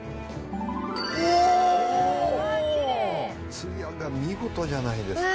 ツヤが見事じゃないですか。